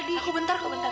aku bentar aku bentar